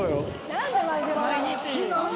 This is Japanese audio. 何でマグロなの？